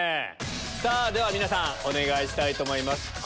さぁ皆さんお願いしたいと思います。